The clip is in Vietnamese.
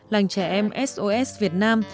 làng trẻ em sos việt nam